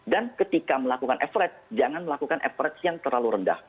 dan ketika melakukan average jangan melakukan average yang terlalu rendah